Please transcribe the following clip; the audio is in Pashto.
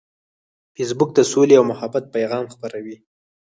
فېسبوک د سولې او محبت پیغام خپروي